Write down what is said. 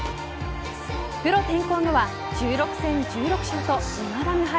プロ転向後は１６戦１６勝今だ無敗。